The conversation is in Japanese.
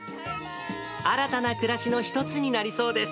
新たな暮らしの一つになりそうです。